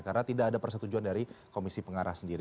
karena tidak ada persetujuan dari komisial